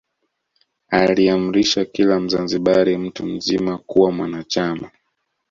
Aliamrisha kila Mzanzibari mtu mzima kuwa mwanachama